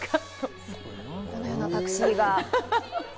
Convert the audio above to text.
このようなタクシーが。